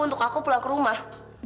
untuk aku pulang ke rumah